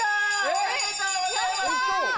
おめでとうございます。